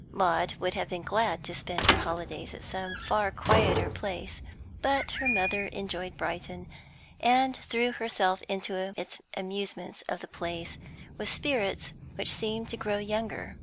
Maud would have been glad to spend her holidays at some far quieter place, but her mother enjoyed Brighton, and threw herself into its amusements of the place with spirits which seemed to grow younger.